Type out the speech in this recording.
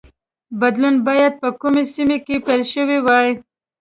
بدلون باید په کومه سیمه کې پیل شوی وای.